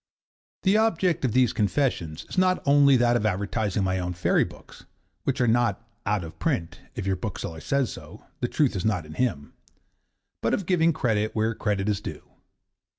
The object of these confessions is not only that of advertising my own fairy books (which are not 'out of print'; if your bookseller says so, the truth is not in him), but of giving credit where credit is due.